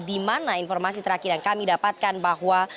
di mana informasi terakhir yang kami dapatkan bahwa